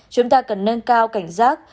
chúng ta cần nâng cao cảnh giác